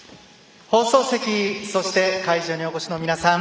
放送席そして会場にお越しの皆さん。